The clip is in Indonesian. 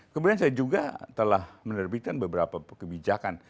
kemudian saya juga telah menerbitkan beberapa kebijakan